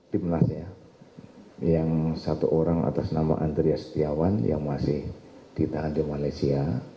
timnasnya yang satu orang atas nama andreas setiawan yang masih ditahan di malaysia